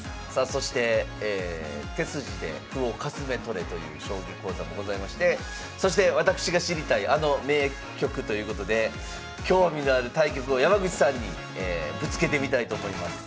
そして「手筋で歩をかすめ取れ！」という将棋講座もございましてそしてわたくしが知りたいあの名局ということで興味のある対局を山口さんにぶつけてみたいと思います。